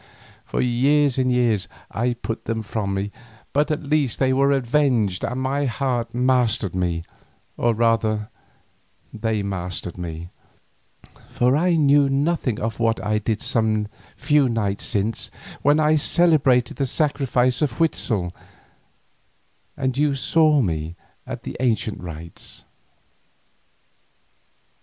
For years and years I put them from me, but at last they were avenged and my heart mastered me, or rather they mastered me, for I knew nothing of what I did some few nights since, when I celebrated the sacrifice to Huitzel and you saw me at the ancient rites.